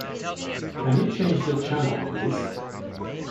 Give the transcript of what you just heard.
Can you change the channel, please?